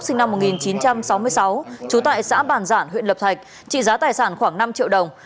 sinh năm một nghìn chín trăm sáu mươi sáu trú tại xã bản giản huyện lập thạch trị giá tài sản khoảng năm triệu đồng